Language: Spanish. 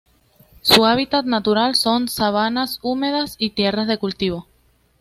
Su hábitat natural son: sabanas húmedas y tierras de cultivo.